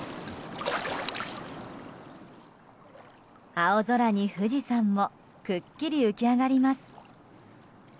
青空に富士山もくっきり浮き上がります。